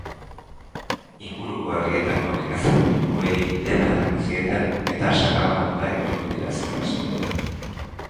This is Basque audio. Inguruko herrietako nekazari jopuei dena erreko zieten eta sakabanatuta ibiliko dira ziur aski.